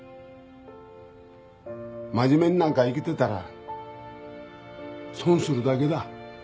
真面目になんか生きてたら損するだけだ。